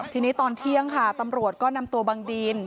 ทีนี้ตอนเที่ยงค่ะตำรวจก็นำตัวบังดีน